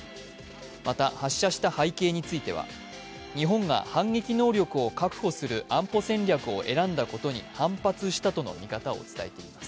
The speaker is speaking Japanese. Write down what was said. また、発射した背景については日本が反撃能力を確保する安保戦略を選んだことに反発したとの見方を伝えています。